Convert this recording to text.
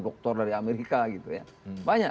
doktor dari amerika banyak